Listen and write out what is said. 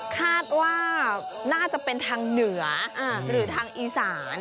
คาดว่าน่าจะเป็นทางเหนือหรือทางอีสาน